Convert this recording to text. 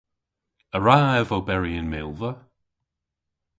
A wra ev oberi yn milva?